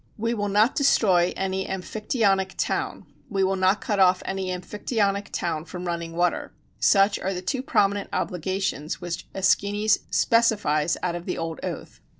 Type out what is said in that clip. "We will not destroy any Amphictyonic town we will not cut off any Amphictyonic town from running water" such are the two prominent obligations which Æschines specifies out of the old oath.